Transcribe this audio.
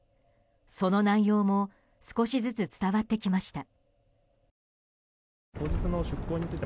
その内容も少しずつ伝わってきました。